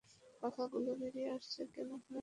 পাখাগুলো বেরিয়ে আসছে কেন, ম্যাভ?